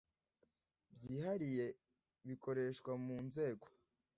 byihariye bikoreshwa mu nzego